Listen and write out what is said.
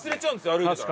歩いてたら。